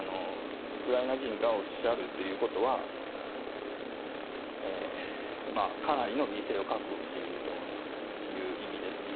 ウクライナ人がおっしゃるということは、かなりの犠牲を覚悟しているという意味です。